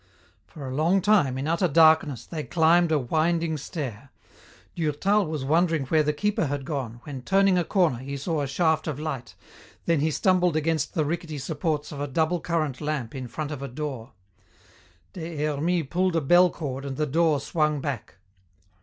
For a long time, in utter darkness, they climbed a winding stair. Durtal was wondering where the keeper had gone, when, turning a corner, he saw a shaft of light, then he stumbled against the rickety supports of a "double current" lamp in front of a door. Des Hermies pulled a bell cord and the door swung back.